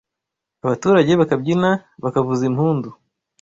Abaturage bakabyina, bakavuza impundu